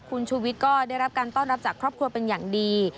คุณชูวิทย์ก็ได้รับการต้อนรับจากครอบครัวเป็นอย่างดี